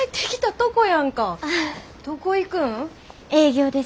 どこ行くん？